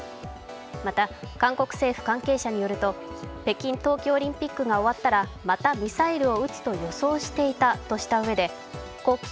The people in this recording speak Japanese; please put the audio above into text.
また、韓国政府関係者によると、北京冬季オリンピックが終わったらまたミサイルを撃つと予想していたとした上で故